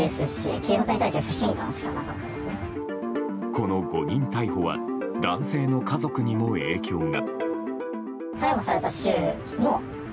この誤認逮捕は男性の家族にも影響が。